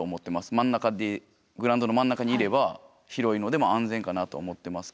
真ん中でグラウンドの真ん中にいれば広いので安全かなと思ってますけど。